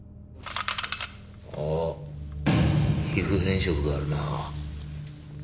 あ皮膚変色があるな。